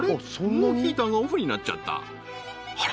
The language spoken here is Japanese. もうヒーターがオフになっちゃったあら？